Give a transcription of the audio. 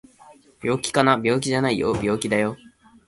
病気かな？病気じゃないよ病気だよ